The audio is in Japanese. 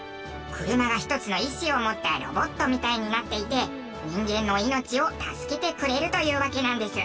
車が１つの意思を持ったロボットみたいになっていて人間の命を助けてくれるというわけなんです。